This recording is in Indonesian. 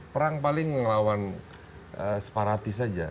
perang paling ngelawan separatis aja